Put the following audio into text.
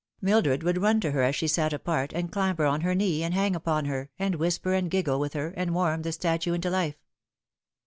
Mildred would run to her as she sat apart, and clambee on her knee, and hang upon her, and whisper and giggle with her, and warm the statue into life.